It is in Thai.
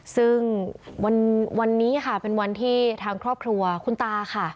ซึ่งวันนี้ค่ะเป็นวันที่ทางครอบครัวคุณตาค่ะ